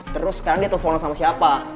terus sekarang dia telepon sama siapa